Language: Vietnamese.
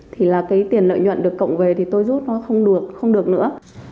thì là cái tiền lợi nhuận được cộng về thì tôi rút nó không được không được nữa